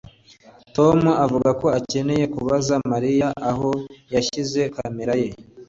Tom avuga ko akeneye kubaza Mariya aho yashyize kamera ye